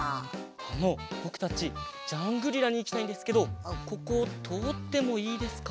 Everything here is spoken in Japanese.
あのぼくたちジャングリラにいきたいんですけどこことおってもいいですか？